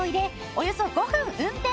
およそ５分運転。